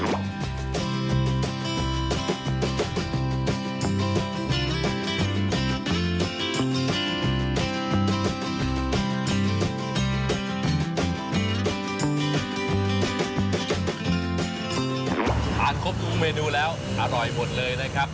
ครบทุกเมนูแล้วอร่อยหมดเลยนะครับ